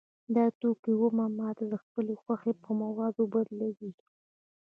دا توکی اومه مواد د خپلې خوښې په موادو بدلوي